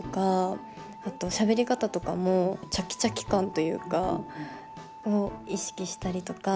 あとしゃべり方とかもチャキチャキ感というかを意識したりとか。